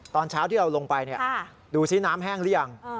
ตอนเช้าที่เราลงไปดูซิน้ำแห้งหรือยัง